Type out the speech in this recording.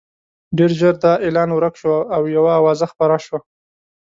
ډېر ژر دا اعلان ورک شو او یوه اوازه خپره شوه.